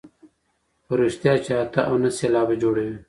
په رښتیا چې اته او نهه سېلابه جوړوي.